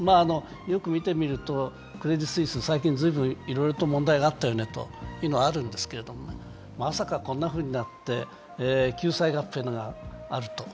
よく見てみると、クレディ・スイス、最近いろいろと問題があったよねというのがあるんですけどまさかこんなふうになって救済合併があると。